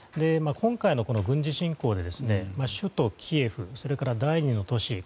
今回の軍事侵攻で首都キエフそれから第２の都市